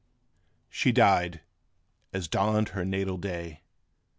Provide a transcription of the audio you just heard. She died, as dawned her natal day!